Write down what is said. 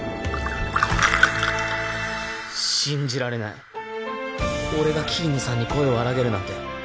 信じられない俺が桐野さんに声を荒げるなんて